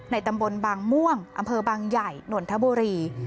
ตำบลบางม่วงอำเภอบางใหญ่นนทบุรี